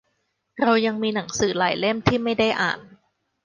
เรายังมีหนังสือหลายเล่มที่ไม่ได้อ่าน